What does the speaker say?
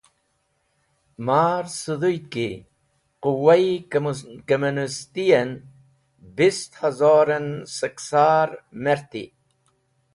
Ma’r sũdhũyd ki Quwa-e kamunisti en bist hazor en sẽk sar merti.